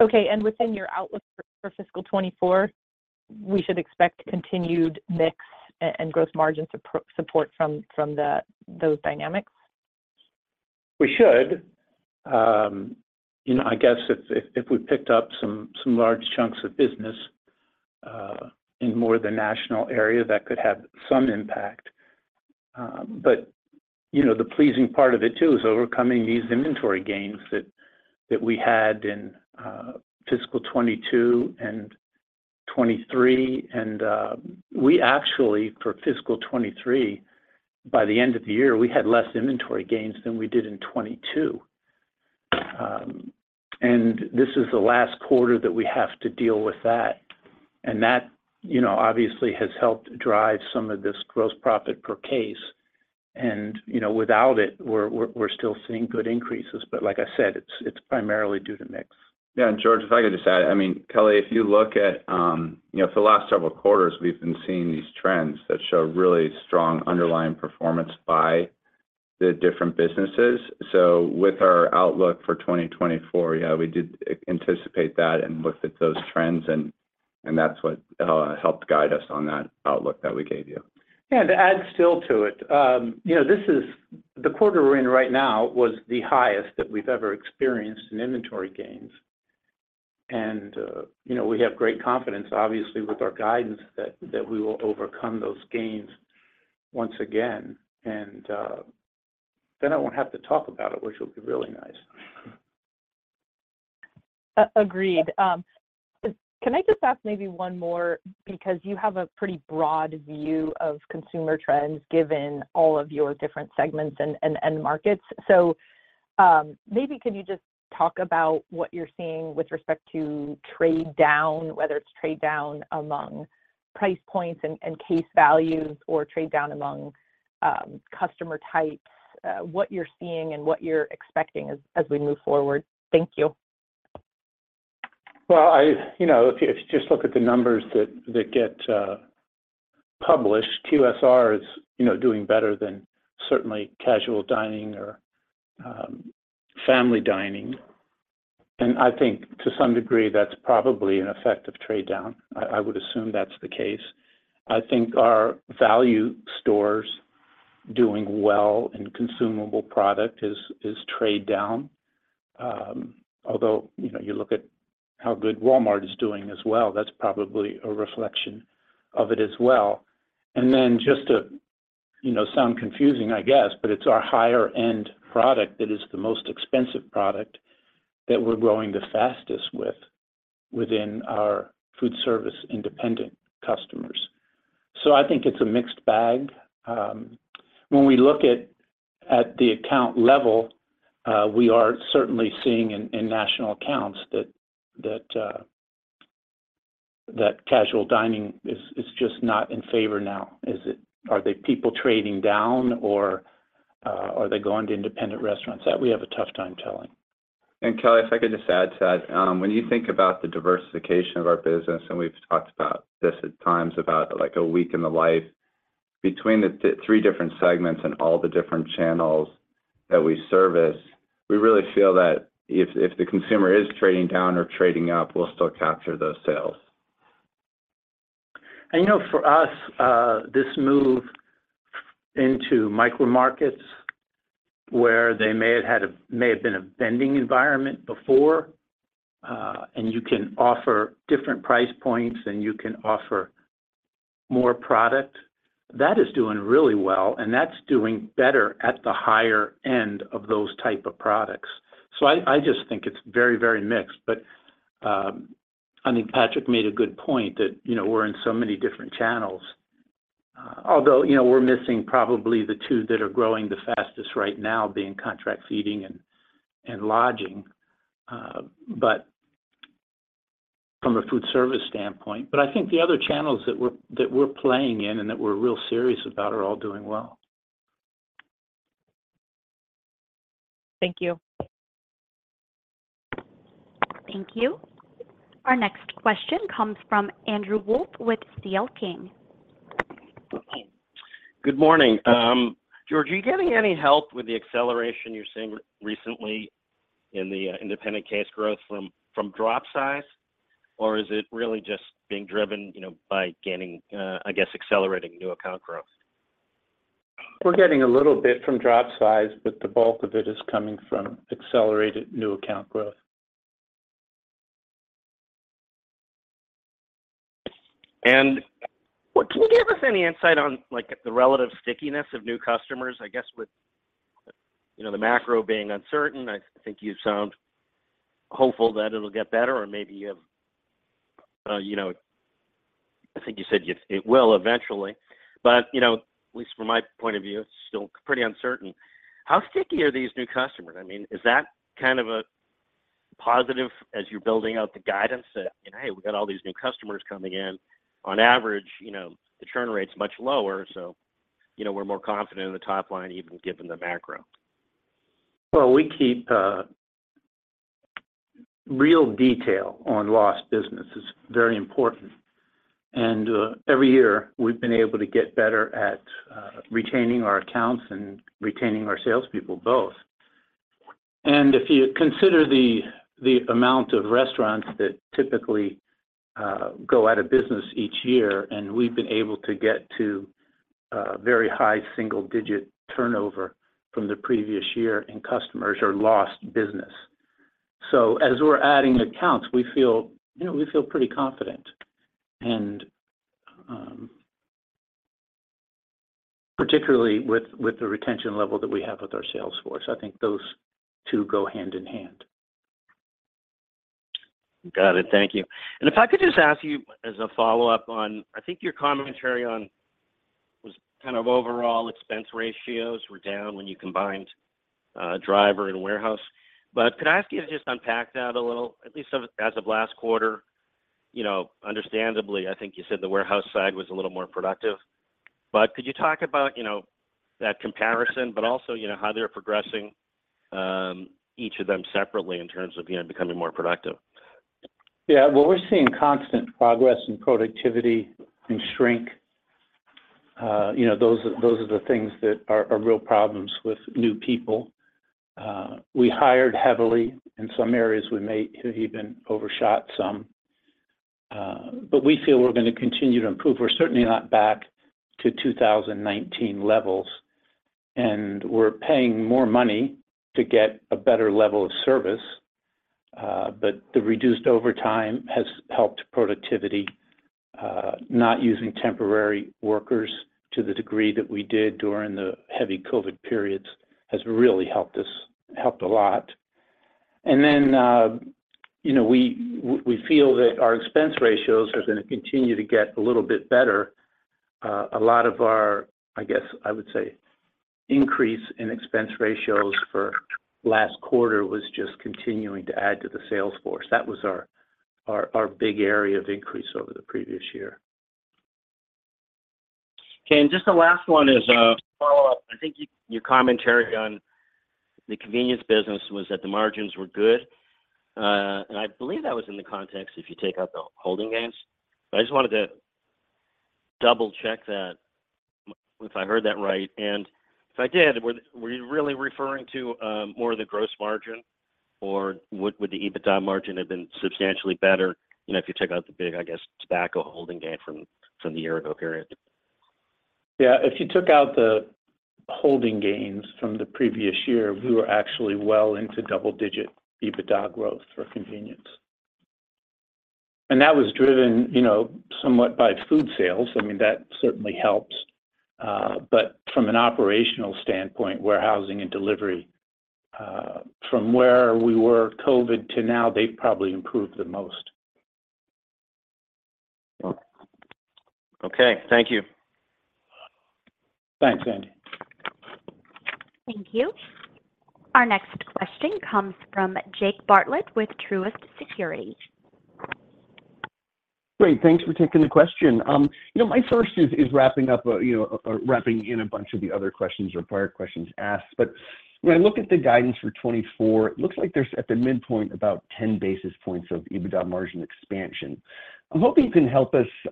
Okay, within your outlook for fiscal 2024, we should expect continued mix and gross margin support from the, those dynamics? We should. You know, I guess if, if, if we picked up some, some large chunks of business in more of the national area, that could have some impact. You know, the pleasing part of it, too, is overcoming these inventory gains that, that we had in fiscal 22 and 23. We actually, for fiscal 23, by the end of the year, we had less inventory gains than we did in 22. This is the last quarter that we have to deal with that. That, you know, obviously, has helped drive some of this gross profit per case. You know, without it, we're, we're, we're still seeing good increases. Like I said, it's, it's primarily due to mix. George, if I could just add, I mean, Kelly, if you look at, you know, for the last several quarters, we've been seeing these trends that show really strong underlying performance by the different businesses. With our outlook for 2024, yeah, we did anticipate that and looked at those trends, and that's what helped guide us on that outlook that we gave you. Yeah, to add still to it, you know, the quarter we're in right now was the highest that we've ever experienced in inventory gains. You know, we have great confidence, obviously, with our guidance, that we will overcome those gains once again. Then I won't have to talk about it, which will be really nice. agreed. Can I just ask maybe one more, because you have a pretty broad view of consumer trends, given all of your different segments and, and, and markets? Maybe could you just talk about what you're seeing with respect to trade down, whether it's trade down among price points and, and case values, or trade down among, customer types, what you're seeing and what you're expecting as, as we move forward? Thank you. Well, I... You know, if you, if you just look at the numbers that, that get published, QSR is, you know, doing better than certainly casual dining or family dining. I think, to some degree, that's probably an effect of trade down. I, I would assume that's the case. I think our value stores doing well in consumable product is, is trade down. Although, you know, you look at how good Walmart is doing as well, that's probably a reflection of it as well. Then just to, you know, sound confusing, I guess, but it's our higher end product that is the most expensive product that we're growing the fastest with, within our Foodservice independent customers. I think it's a mixed bag. When we look at the account level, we are certainly seeing in national accounts that casual dining is just not in favor now. Are they people trading down, or are they going to independent restaurants? That we have a tough time telling. Kelly, if I could just add to that, when you think about the diversification of our business, and we've talked about this at times, about like a week in the life, between the three different segments and all the different channels that we service, we really feel that if, if the consumer is trading down or trading up, we'll still capture those sales. You know, for us, this move into micro markets, where they may have been a vending environment before, and you can offer different price points, and you can offer more product, that is doing really well, and that's doing better at the higher end of those type of products. I, I just think it's very, very mixed. I think Patrick made a good point, that, you know, we're in so many different channels. Although, you know, we're missing probably the two that are growing the fastest right now, being contract feeding and, and lodging, but from a foodservice standpoint. I think the other channels that we're, that we're playing in, and that we're real serious about, are all doing well. Thank you. Thank you. Our next question comes from Andrew Wolf, with C.L. King. Good morning. George, are you getting any help with the acceleration you're seeing recently in the independent case growth from, from drop size? Or is it really just being driven, you know, by gaining, I guess, accelerating new account growth? We're getting a little bit from drop size, but the bulk of it is coming from accelerated new account growth. What can you give us any insight on, like, the relative stickiness of new customers? I guess with, you know, the macro being uncertain, I think you sound hopeful that it'll get better, or maybe you have, you know, I think you said it, it will eventually. You know, at least from my point of view, it's still pretty uncertain. How sticky are these new customers? I mean, is that kind of a positive as you're building out the guidance that, "You know, hey, we got all these new customers coming in. On average, you know, the churn rate's much lower, so, you know, we're more confident in the top line, even given the macro? Well, we keep real detail on lost business. It's very important. Every year, we've been able to get better at retaining our accounts and retaining our salespeople, both. If you consider the, the amount of restaurants that typically go out of business each year, and we've been able to get to a very high single-digit turnover from the previous year, in customers or lost business. As we're adding accounts, we feel, you know, we feel pretty confident. Particularly with, with the retention level that we have with our sales force, I think those 2 go hand in hand. Got it. Thank you. If I could just ask you, as a follow-up on, I think your commentary on, was kind of overall expense ratios were down when you combined driver and warehouse. Could I ask you to just unpack that a little, at least of as of last quarter? You know, understandably, I think you said the warehouse side was a little more productive. Could you talk about, you know, that comparison, but also, you know, how they're progressing, each of them separately in terms of, you know, becoming more productive? Yeah. Well, we're seeing constant progress in productivity and shrink. You know, those, those are the things that are, are real problems with new people. We hired heavily. In some areas, we may have even overshot some. We feel we're gonna continue to improve. We're certainly not back to 2019 levels, and we're paying more money to get a better level of service. The reduced overtime has helped productivity. Not using temporary workers to the degree that we did during the heavy COVID periods has really helped us, helped a lot. Then, you know, we, we, we feel that our expense ratios are gonna continue to get a little bit better. A lot of our, I guess I would say, increase in expense ratios for last quarter was just continuing to add to the sales force. That was our, our, our big area of increase over the previous year. Okay, just the last one is a follow-up. I think your, your commentary on the Convenience business was that the margins were good. I believe that was in the context, if you take out the holding gains. I just wanted to double-check that, if I heard that right. If I did, were, were you really referring to more of the gross margin, or would, would the EBITDA margin have been substantially better, you know, if you take out the big, I guess, tobacco holding gain from, from the year-ago period? Yeah, if you took out the holding gains from the previous year, we were actually well into double-digit EBITDA growth for Convenience. That was driven, you know, somewhat by food sales. I mean, that certainly helps. From an operational standpoint, warehousing and delivery, from where we were COVID to now, they've probably improved the most. Okay. Thank you. Thanks, Andy. Thank you. Our next question comes from Jake Bartlett with Truist Securities. Great, thanks for taking the question. You know, my first is, is wrapping up a, you know, wrapping in a bunch of the other questions or prior questions asked. When I look at the guidance for 2024, it looks like there's, at the midpoint, about 10 basis points of EBITDA margin expansion. I'm hoping you can help us, you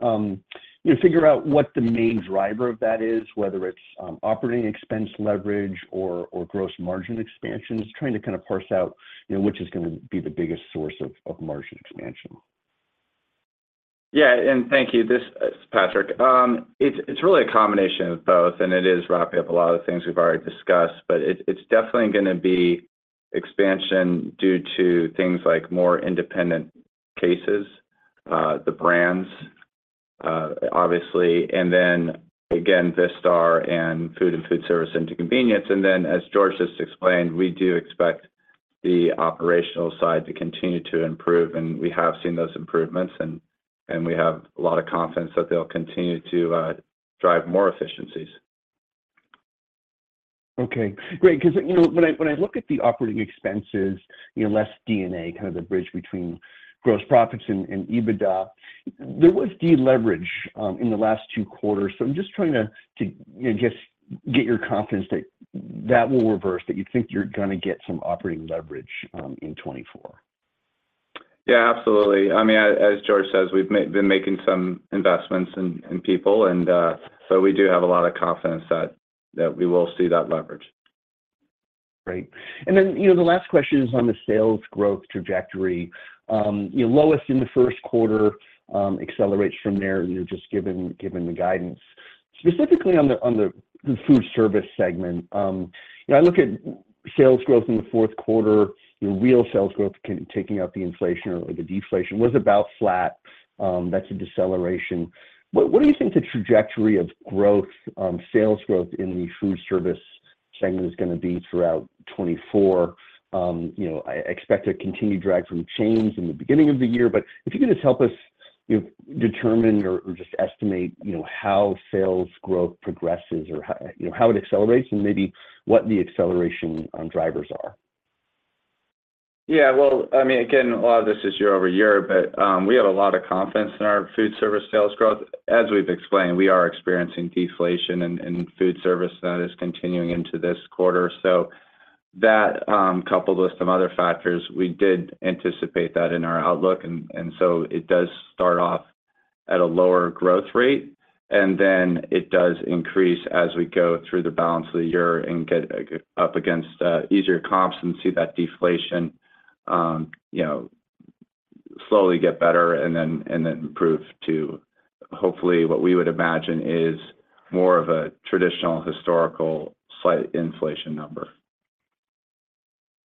know, figure out what the main driver of that is, whether it's operating expense leverage or, or gross margin expansion. Just trying to kind of parse out, you know, which is gonna be the biggest source of, of margin expansion. Thank you. This is Patrick. It's, it's really a combination of both, and it is wrapping up a lot of the things we've already discussed, but it's, it's definitely gonna be expansion due to things like more independent cases, the brands, obviously, then again, Vistar and food and foodservice into Convenience. Then, as George just explained, we do expect the operational side to continue to improve, and we have seen those improvements, and we have a lot of confidence that they'll continue to drive more efficiencies. Okay, great. 'Cause, you know, when I, when I look at the operating expenses, you know, less D&A, kind of the bridge between gross profits and, and EBITDA, there was deleverage in the last two quarters. I'm just trying to, to, you know, just get your confidence that that will reverse, that you think you're gonna get some operating leverage in 2024. Yeah, absolutely. I mean, as, as George says, we've been making some investments in, in people, and so we do have a lot of confidence that, that we will see that leverage. Great. You know, the last question is on the sales growth trajectory. You know, lowest in the first quarter, accelerates from there. You're just given, given the guidance. Specifically on the, on the foodservice segment, you know, I look at sales growth in the fourth quarter, your real sales growth can... taking out the inflation or the deflation, was about flat. That's a deceleration. What do you think the trajectory of growth, sales growth in the foodservice segment is gonna be throughout 2024? You know, I expect a continued drag from chains in the beginning of the year, but if you could just help us, you know, determine or, or just estimate, you know, how sales growth progresses or how, you know, how it accelerates, and maybe what the acceleration, drivers are. Yeah, well, I mean, again, a lot of this is year-over-year, but we have a lot of confidence in our Foodservice sales growth. As we've explained, we are experiencing deflation in foodservice, and that is continuing into this quarter. That, coupled with some other factors, we did anticipate that in our outlook. It does start off at a lower growth rate, and then it does increase as we go through the balance of the year and get up against easier comps and see that deflation, you know, slowly get better and then improve to hopefully what we would imagine is more of a traditional, historical, slight inflation number.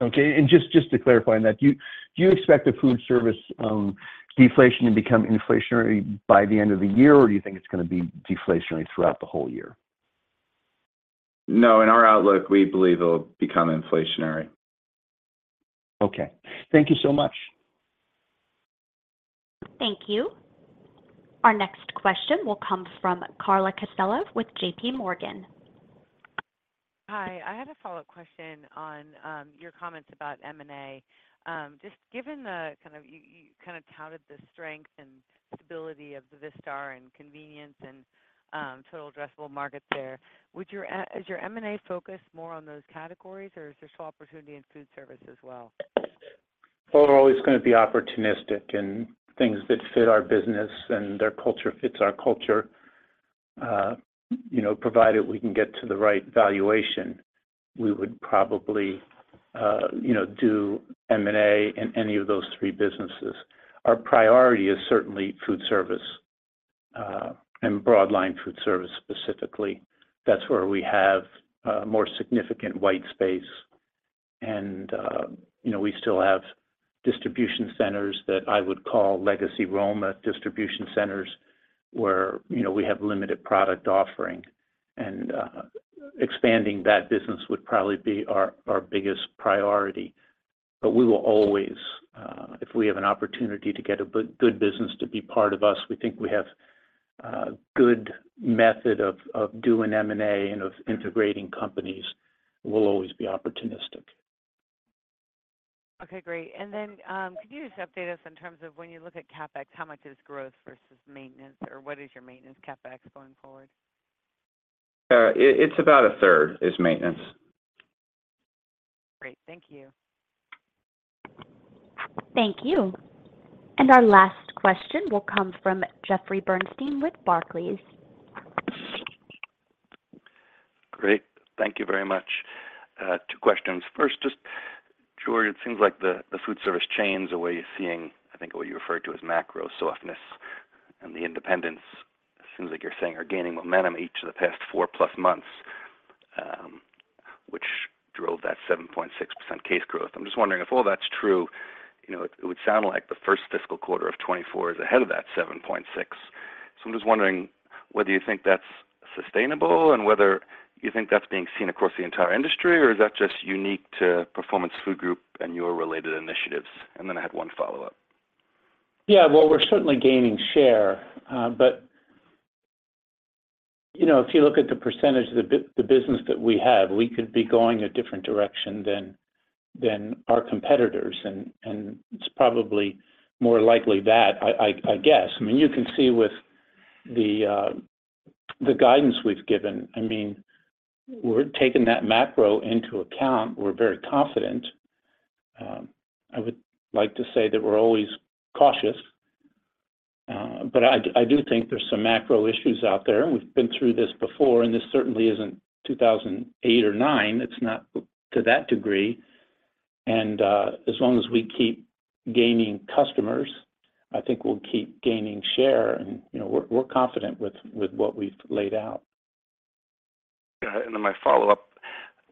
Okay, and just, just to clarify on that, do you, do you expect the foodservice deflation to become inflationary by the end of the year, or do you think it's gonna be deflationary throughout the whole year? No, in our outlook, we believe it'll become inflationary. Okay. Thank you so much. Thank you. Our next question will come from Carla Casella with JP Morgan. Hi, I had a follow-up question on your comments about M&A. Just given the kind of, you, you kind of touted the strength and stability of the Vistar and Convenience and total addressable market there, would your is your M&A focus more on those categories, or is there still opportunity in foodservice as well? Well, we're always gonna be opportunistic, and things that fit our business and their culture fits our culture. You know, provided we can get to the right valuation, we would probably, you know, do M&A in any of those three businesses. Our priority is certainly foodservice, and broadline foodservice specifically. That's where we have more significant white space. You know, we still have distribution centers that I would call legacy Roma distribution centers, where, you know, we have limited product offering. Expanding that business would probably be our biggest priority. We will always, if we have an opportunity to get a good business to be part of us, we think we have a good method of doing M&A and of integrating companies. We'll always be opportunistic. Okay, great. Could you just update us in terms of when you look at CapEx, how much is growth versus maintenance, or what is your maintenance CapEx going forward? It, it's about a third is maintenance. Great. Thank you. Thank you. Our last question will come from Jeffrey Bernstein with Barclays. Great. Thank you very much. Two questions. First, just, George, it seems like the foodservice chains are where you're seeing, I think, what you referred to as macro softness, and the independents, it seems like you're saying, are gaining momentum each of the past four-plus months, which drove that 7.6% case growth. I'm just wondering if all that's true, you know, it would sound like the first fiscal quarter of 2024 is ahead of that 7.6. I'm just wondering whether you think that's sustainable and whether you think that's being seen across the entire industry, or is that just unique to Performance Food Group and your related initiatives? Then I had one follow-up. Yeah, well, we're certainly gaining share. You know, if you look at the percentage of the business that we have, we could be going a different direction than, than our competitors, it's probably more likely that, I guess. I mean, you can see with the, the guidance we've given, I mean, we're taking that macro into account. We're very confident. I would like to say that we're always cautious, but I, I do think there's some macro issues out there. We've been through this before, and this certainly isn't 2008 or 2009. It's not to that degree, as long as we keep gaining customers, I think we'll keep gaining share, you know, we're, we're confident with, with what we've laid out. Then my follow-up,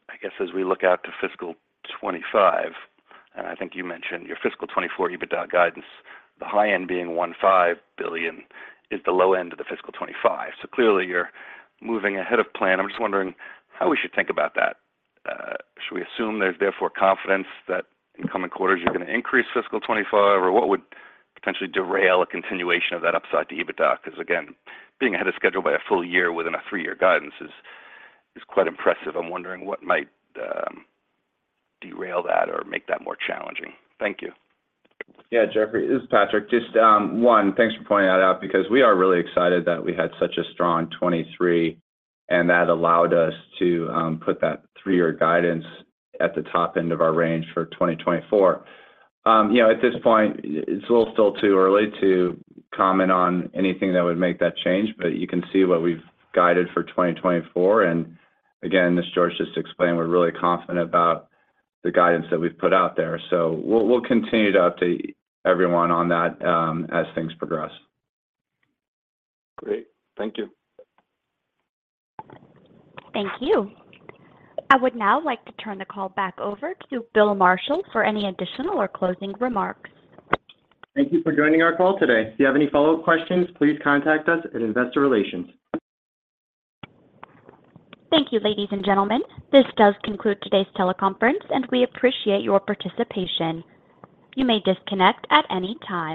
I guess, as we look out to fiscal 25, I think you mentioned your fiscal 24 EBITDA guidance, the high end being $1.5 billion is the low end of the fiscal 25. Clearly, you're moving ahead of plan. I'm just wondering how we should think about that. Should we assume there's therefore confidence that in coming quarters you're gonna increase fiscal 24, or what would potentially derail a continuation of that upside to EBITDA? Because, again, being ahead of schedule by a full year within a three-year guidance is, is quite impressive. I'm wondering what might derail that or make that more challenging. Thank you. Yeah, Jeffrey, this is Patrick. Just, one, thanks for pointing that out because we are really excited that we had such a strong 2023, and that allowed us to put that 3-year guidance at the top end of our range for 2024. You know, at this point, it's a little still too early to comment on anything that would make that change, but you can see what we've guided for 2024. Again, as George just explained, we're really confident about the guidance that we've put out there. We'll, we'll continue to update everyone on that as things progress. Great. Thank you. Thank you. I would now like to turn the call back over to Bill Marshall for any additional or closing remarks. Thank you for joining our call today. If you have any follow-up questions, please contact us at Investor Relations. Thank you, ladies and gentlemen. This does conclude today's teleconference, and we appreciate your participation. You may disconnect at any time.